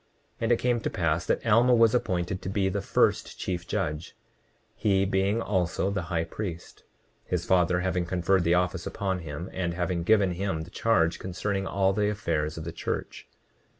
29:42 And it came to pass that Alma was appointed to be the first chief judge, he being also the high priest, his father having conferred the office upon him, and having given him the charge concerning all the affairs of the church.